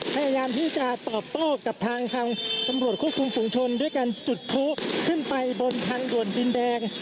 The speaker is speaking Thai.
พยายามที่จะตอบโต้กับทางตำรวจควบคุมฝุงชนด้วยการจุดพลุขึ้นไปบนทางด่วนดินแดง